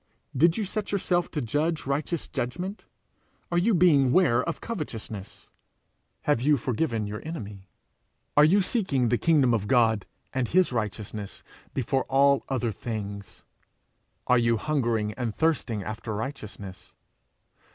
Did you set yourself to judge righteous judgment? Are you being ware of covetousness? Have you forgiven your enemy? Are you seeking the kingdom of God and his righteousness before all other things? Are you hungering and thirsting after righteousness?